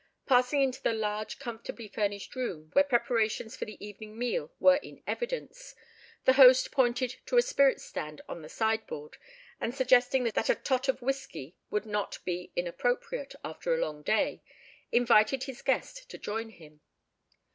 Passing into a large, comfortably furnished room, where preparations for the evening meal were in evidence, the host pointed to a spirit stand on the sideboard, and suggesting that a tot of whisky would not be inappropriate after a long day, invited his guest to join him.